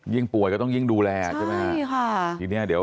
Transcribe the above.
ยิ่งป่วยก็ต้องยิ่งดูแล